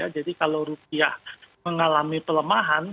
jadi kalau rupiah mengalami pelemahan